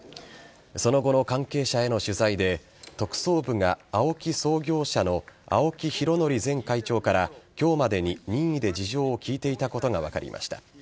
その後の関係者への取材で特捜部がＡＯＫＩ創業者の青木拡憲前会長から今日までに任意で事情を聴いていたことが分かりました。